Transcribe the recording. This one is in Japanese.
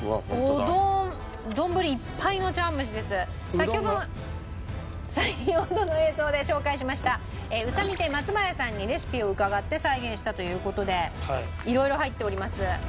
先ほどの先ほどの映像で紹介しましたうさみ亭マツバヤさんにレシピを伺って再現したという事で色々入っております。